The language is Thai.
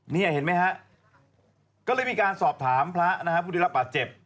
นี่เห็นไหมฮะก็เลยมีการสอบถามพระนะฮะผู้ได้รับบาดเจ็บ